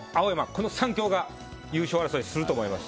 この３強が優勝争いすると思います。